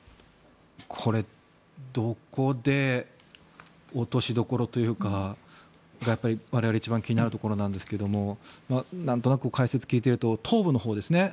これ、どこで落としどころというか、そこが我々が一番気になるところなんですが解説を聞いていると東部のほうですね